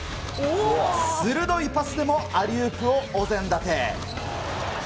鋭いパスでもアリウープをお膳立て。